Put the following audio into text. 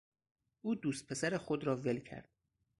او دوست پسر خود را ول کرد.